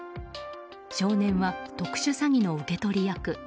少年は特殊詐欺の受け取り役。